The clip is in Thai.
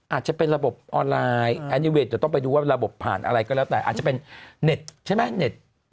อาจจะเป็นระบบออนไลน์แอนิเวทจะต้องไปดูว่าระบบผ่านอะไรก็แล้วแต่อาจจะเป็นเน็ตใช่ไหมเน็ต